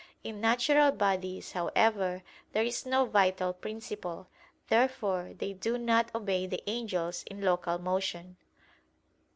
In natural bodies, however, there is no vital principle. Therefore they do not obey the angels in local motion.